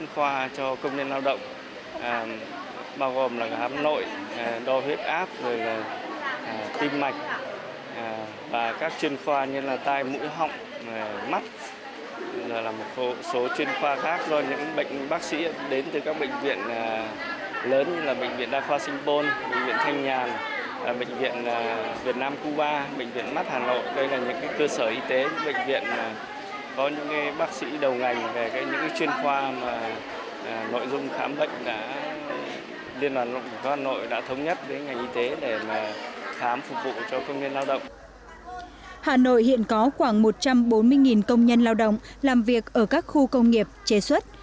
hà nội hiện có khoảng một trăm bốn mươi công nhân lao động làm việc ở các khu công nghiệp chế suất